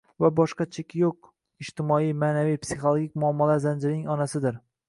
va boshqa cheki yo‘q ijtimoiy, ma’naviy, psixologik muammolar zanjirining onasidir.